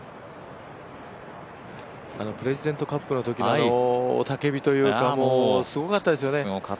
プレジデンツカップのときの雄たけびというかすごかったですよね。